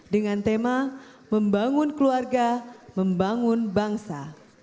dengan tema membangun keluarga membangun bangsa